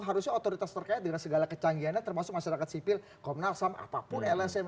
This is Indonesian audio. harusnya otoritas terkena dengan segala kecanggihan termasuk masyarakat sipil komnas apapun lsm